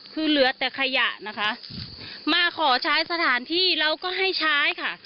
คือเหลือแต่ขยะนะคะมาขอใช้สถานที่เราก็ให้ใช้ค่ะ